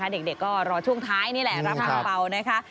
เด็กก็รอช่วงท้ายนี่แหละรับอังเปล่านะคะ